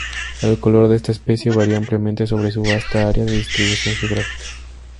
El color de esta especie varía ampliamente sobre su vasta área de distribución geográfica.